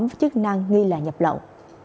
và chức năng nghi là nhập lậu